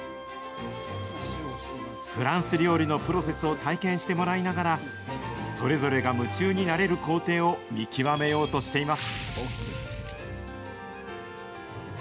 フランス料理のプロセスを体験してもらいながら、それぞれが夢中になれる工程を見極めようとしています。